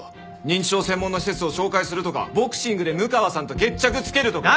認知症専門の施設を紹介するとかボクシングで六川さんと決着つけるとか。